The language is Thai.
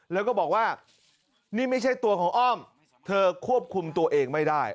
แล้วก็บอกว่านี่ไม่ใช่ตัวของอ้อมเธอควบคุมตัวเองไม่ได้